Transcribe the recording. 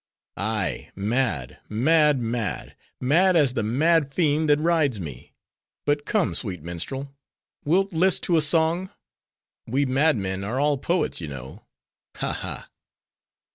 "Ay, mad, mad, mad!—mad as the mad fiend that rides me!—But come, sweet minstrel, wilt list to a song?—We madmen are all poets, you know:—Ha! ha!